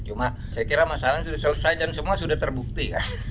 cuma saya kira masalahnya sudah selesai dan semua sudah terbukti